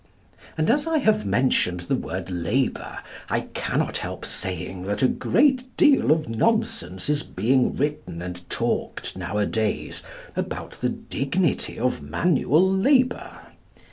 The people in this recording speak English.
And as I have mentioned the word labour, I cannot help saying that a great deal of nonsense is being written and talked nowadays about the dignity of manual labour.